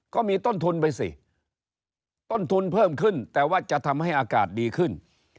ก็มีต้นทุนไปสิต้นทุนเพิ่มขึ้นแต่ว่าจะทำให้อากาศดีขึ้น